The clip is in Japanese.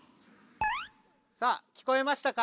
さあ聞こえましたか？